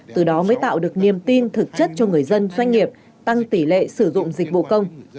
từ đó mới tạo được niềm tin thực chất cho người dân doanh nghiệp tăng tỷ lệ sử dụng dịch vụ công